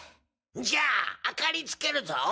じゃあ明かりつけるぞ。